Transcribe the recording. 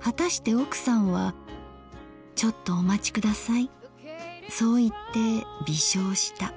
はたして奥さんは『ちょっとお待ちください』そう言って微笑した。